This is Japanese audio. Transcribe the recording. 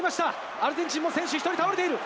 アルゼンチンも選手１人倒れている。